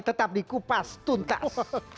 tetap di kupas tuntas